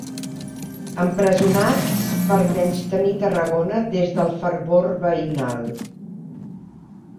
Empresonats per menystenir Tarragona des del fervor veïnal.